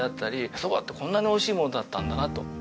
蕎麦ってこんなに美味しいものだったんだなと。